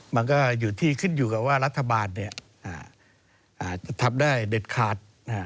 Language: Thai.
มันก็อยู่ที่ขึ้นอยู่กับว่ารัฐบาลจะทำได้เด็ดขาด